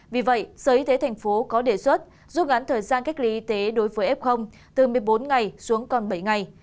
vì vậy sở y tế thành phố có đề xuất giúp gắn thời gian cách ly y tế đối với f từ một mươi bốn ngày xuống còn bảy ngày